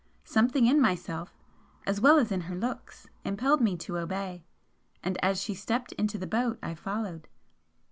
Something in myself, as well as in her looks, impelled me to obey, and as she stepped into the boat I followed.